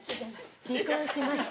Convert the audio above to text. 離婚しました。